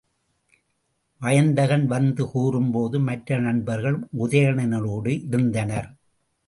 வயந்தகன் வந்து கூறும்போது மற்ற நண்பர்களும் உதயணனோடு இருந்தனர்.